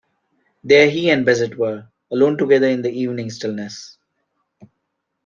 There he and Bassett were, alone together in the evening stillness.